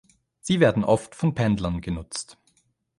Sie werden oft von Pendlern genutzt.